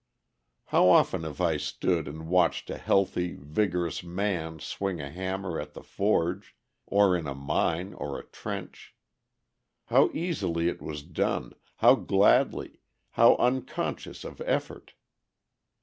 How often have I stood and watched a healthy, vigorous man swing a hammer at the forge, or in a mine or a trench. How easily it was done, how gladly, how unconscious of effort!